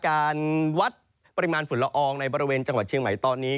การวัดปริมาณฝุ่นละอองในบริเวณจังหวัดเชียงใหม่ตอนนี้